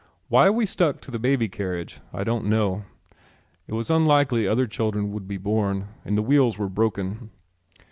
Why we stuck to the baby carriage I don't know. It was unlikely other children would be born and the wheels were broken.